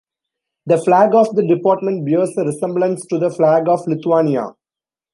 The flag of the department bears a resemblance to the flag of Lithuania.